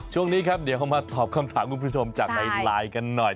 ช่วงนี้ครับเดี๋ยวมาตอบคำถามคุณผู้ชมจากในไลน์กันหน่อย